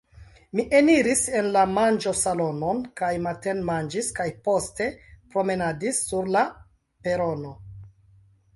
Mi eniris en la manĝosalonon kaj matenmanĝis kaj poste promenadis sur la perono.